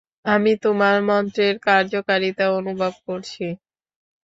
আমি তোমার মন্ত্রের কার্যকারিতা অনুভব করছি!